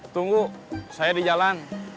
tunggu saya di jalan